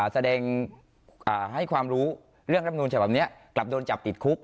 แสดงให้ความรู้เรื่องรับนูลฉบับนี้กลับโดนจับติดคุก